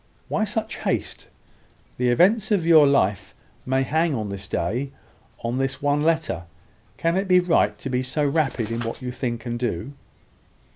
"Why such haste? The events of your life may hang on this day, on this one letter. Can it be right to be so rapid in what you think and do?"